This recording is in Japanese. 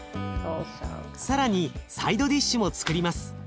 更にサイドディッシュもつくります。